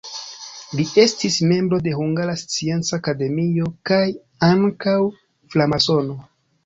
Li estis membro de Hungara Scienca Akademio kaj ankaŭ framasono.